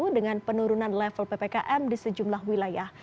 dengan penurunan level ppkm di sejumlah wilayah